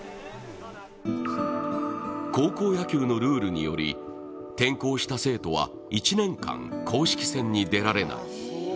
高校野球のルールにより転校した生徒は１年間、公式戦に出られない。